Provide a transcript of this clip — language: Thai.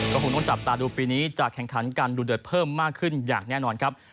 ก็คงต้องจับตาดูปีนี้จะแข่งขันกันดูเดือดเพิ่มมากขึ้นอย่างแน่นอนครับ